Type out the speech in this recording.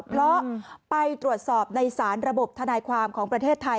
เพราะไปตรวจสอบในสารระบบทนายความของประเทศไทย